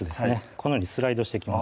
このようにスライドしていきます